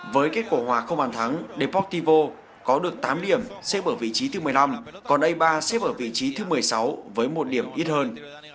với kết quả hòa không bàn thắng deportivo có được tám điểm xếp ở vị trí thứ một mươi năm còn a ba xếp ở vị trí thứ một mươi sáu với một điểm ít hơn